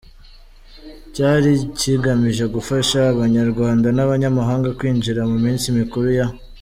cyari cyigamije gufasha abanyarwanda n’abanyamahanga kwinjira mu minsi mikuru ya